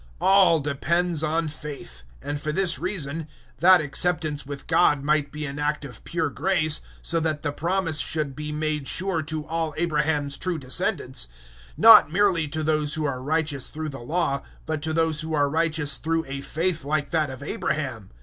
004:016 All depends on faith, and for this reason that acceptance with God might be an act of pure grace, 004:017 so that the promise should be made sure to all Abraham's true descendants; not merely to those who are righteous through the Law, but to those who are righteous through a faith like that of Abraham.